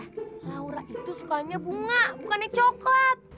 laura itu sukanya bunga bukannya coklat